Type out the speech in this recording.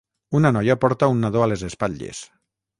un noia porta un nadó a les espatlles.